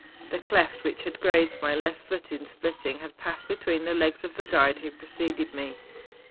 The cleft, which had grazed my left foot in splitting, had passed between the legs of the guide who preceded me.